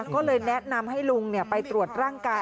ก็เลยแนะนำให้ลุงไปตรวจร่างกาย